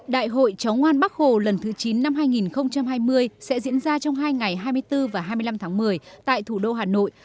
đại hội cháu ngoan bắc hồ lần thứ chín năm hai nghìn hai mươi sẽ diễn ra trong hai ngày hai mươi bốn và hai mươi năm tháng một mươi tại thủ đô hà nội